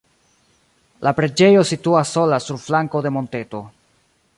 La preĝejo situas sola sur flanko de monteto.